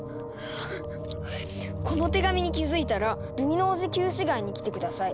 「この手紙に気付いたらルミノージ旧市街に来て下さい。